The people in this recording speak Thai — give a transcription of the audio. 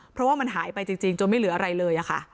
เพราะว่ามันหายไปจริงจนไม่เหลืออะไรเลยค่ะ